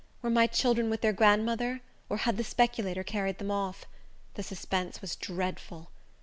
Were my children with their grandmother, or had the speculator carried them off? The suspense was dreadful.